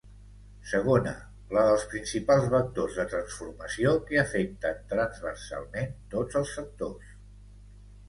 Segona, la dels principals vectors de transformació que afecten transversalment tots els sectors.